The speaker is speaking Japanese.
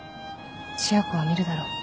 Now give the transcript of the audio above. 千夜子は見るだろう。